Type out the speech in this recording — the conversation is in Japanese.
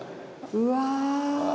うわ。